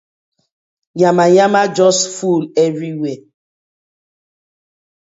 Yamayama just full everywhere.